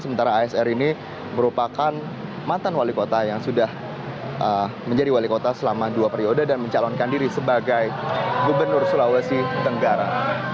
sementara asr ini merupakan mantan wali kota yang sudah menjadi wali kota selama dua periode dan mencalonkan diri sebagai gubernur sulawesi tenggara